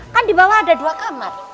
kan di bawah ada dua kamar